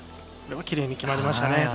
これはきれいに決まりましたね